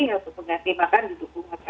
yang untuk mengganti makan di dungu kayu dan buah